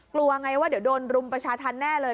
กลัวไงว่าเดี๋ยวโดนรุมประชาธรรมแน่เลย